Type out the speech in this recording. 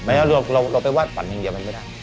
แล้วเราไปวาดฝันอย่างเดียวมันไม่ได้